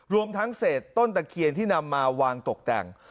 รวมทั้งเศษต้นตะเคียนที่นำมาวางตกแต่ง